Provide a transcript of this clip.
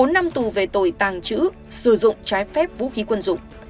bốn năm tù về tội tàng trữ sử dụng trái phép vũ khí quân dụng